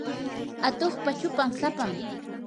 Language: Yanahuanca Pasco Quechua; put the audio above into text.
atuqpa chupan sapam.